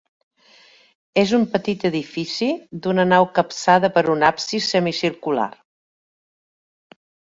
És un petit edifici d'una nau capçada per un absis semicircular.